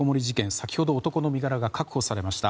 先ほど男の身柄が確保されました。